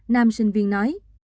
nam sinh viên nói